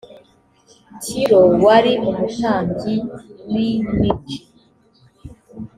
tiro wari umutambyi w i mij